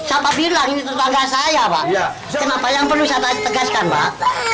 siapa bilang ini tetangga saya pak kenapa yang perlu saya tegaskan pak